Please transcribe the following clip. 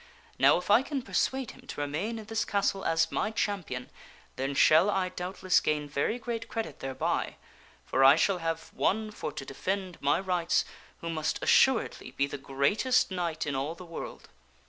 Now, if I can persuade him to remain in this castle as my champion, then shall I doubtless gain very great credit thereby ; for I shall have one for to de fend my rights who must assuredly be the greatest knight in all the world."